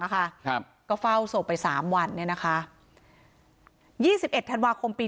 ครับก็เฝ้าศพไปสามวันเนี่ยนะคะยี่สิบเอ็ดธันวาคมปี